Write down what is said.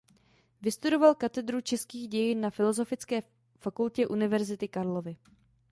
Vystudoval katedru českých dějin na Filosofické fakultě Univerzity Karlovy.